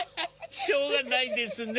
しょうがないですね。